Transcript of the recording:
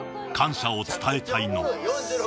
感謝を伝えたいのは。